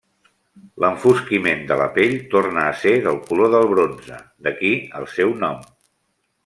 L'enfosquiment de la pell torna a ser del color del bronze, d'aquí el seu nom.